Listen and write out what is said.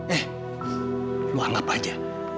eh lu anggap aja